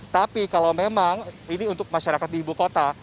tapi kalau memang ini untuk masyarakat di ibu kota